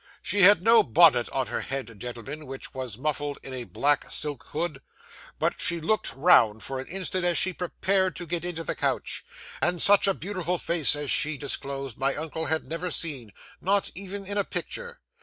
She had no bonnet on her head, gentlemen, which was muffled in a black silk hood, but she looked round for an instant as she prepared to get into the coach, and such a beautiful face as she disclosed, my uncle had never seen not even in a picture.